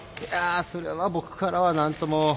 いやそれは僕からは何とも。